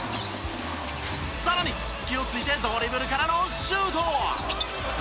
さらに隙を突いてドリブルからのシュート！